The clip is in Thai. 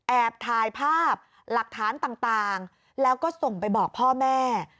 แอบถ่ายภาพหลักฐานต่างแล้วก็ส่งไปบอกพ่อแม่